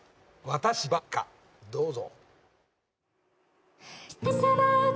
『私ばっか』どうぞ。